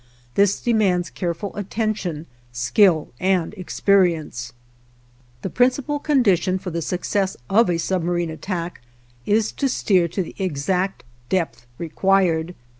This demands careful attention, skill, and experience. The principal condition for the success of a submarine attack is to steer to the exact depth required.